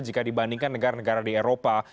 jika dibandingkan negara negara di eropa